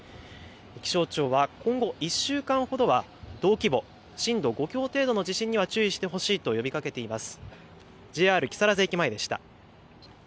気象庁は今後１週間ほどは同規模の震度５強程度の地震には注意してほしいと呼びかけています。